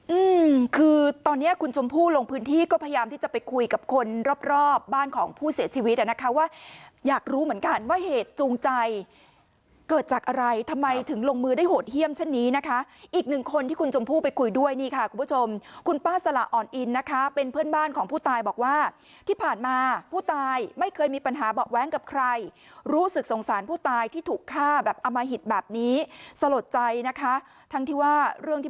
อืมคือตอนนี้คุณชมพู่ลงพื้นที่ก็พยายามที่จะไปคุยกับคนรอบบ้านของผู้เสียชีวิตเลยนะคะว่าอยากรู้เหมือนกันว่าเหตุจูงใจเกิดจากอะไรทำไมถึงลงมือได้โหดเยี่ยมเช่นนี้นะคะอีกหนึ่งคนที่คุณชมพู่ไปคุยด้วยนี่ค่ะคุณผู้ชมคุณป้าสละออนอินนะคะเป็นเพื่อนบ้านของผู้ตายบอกว่าที่ผ่านมาผู้ตายไม่เคยมีปัญหาเบาะแว้งกั